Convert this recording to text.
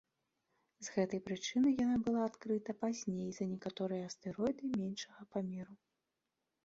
З гэтай прычыны яна была адкрыта пазней за некаторыя астэроіды меншага памеру.